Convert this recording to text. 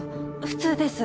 普通です。